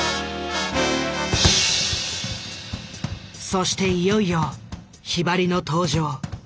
そしていよいよひばりの登場。